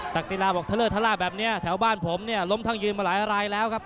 ศิลาบอกทะเลอร์ทะล่าแบบนี้แถวบ้านผมเนี่ยล้มทั้งยืนมาหลายรายแล้วครับ